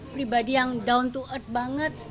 pribadi yang down to earth banget